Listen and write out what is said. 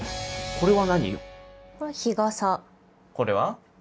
これは？